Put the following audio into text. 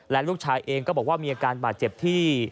และลูกชายเองก็บอกว่ามีอาการบาดเจ็บที่